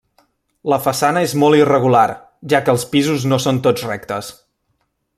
La façana és molt irregular, ja que els pisos no són tots rectes.